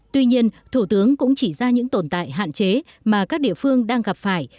tuy nhiên thủ tướng cũng chỉ ra những tồn tại hạn chế mà các địa phương đang gặp phải